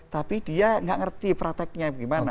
tapi dia nggak ngerti prakteknya gimana